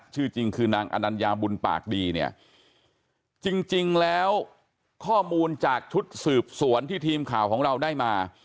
ชื่อจริงคือนางอนัญญาบุญปากดีเนี่ยจริงแล้วข้อมูลจากชุดสืบสวนที่ทีมข่าวของเราได้มา